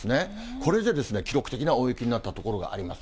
これで記録的な大雪になった所があります。